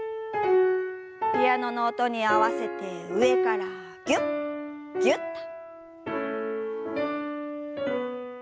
ピアノの音に合わせて上からぎゅっぎゅっと。